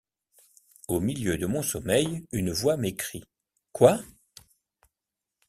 Au milieu de mon sommeil, une voix m’écrie: — Quoi?